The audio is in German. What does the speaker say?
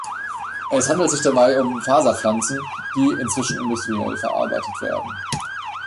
Es handelt sich dabei um Faserpflanzen, die inzwischen industriell verarbeitet werden.